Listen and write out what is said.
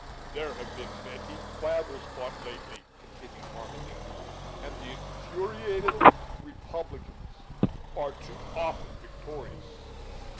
"There have been many battles fought lately," continued Marmaduke, "and the infuriated republicans are too often victorious.